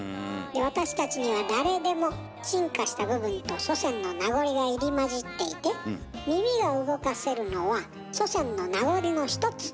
私たちには誰でも進化した部分と祖先の名残が入り交じっていて耳が動かせるのは祖先の名残の一つ。